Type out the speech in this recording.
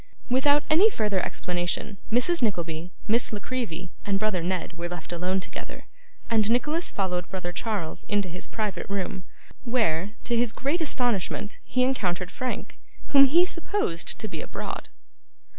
Without any further explanation, Mrs. Nickleby, Miss La Creevy, and brother Ned, were left alone together, and Nicholas followed brother Charles into his private room; where, to his great astonishment, he encountered Frank, whom he supposed to be abroad.